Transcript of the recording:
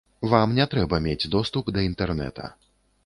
Вам не трэба мець доступ да інтэрнэта.